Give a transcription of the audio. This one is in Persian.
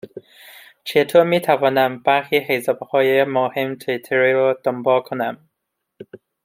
چه طور میتوانم برخی حسابهای مهم توییتری را دنبال کنم؟